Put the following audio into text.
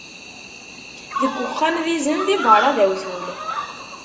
Deg uxxam d izem, di beṛṛa d awtul.